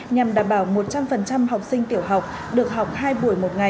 nhằm đảm bảo một trăm linh học sinh tiểu học được học hai buổi một ngày